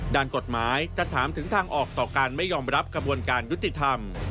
ด้านกฎหมายจะถามถึงทางออกต่อการไม่ยอมรับกระบวนการยุติธรรม